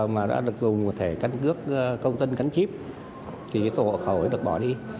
mà đã được dùng một thẻ căn cước công dân gắn chip thì số hộ khẩu được bỏ đi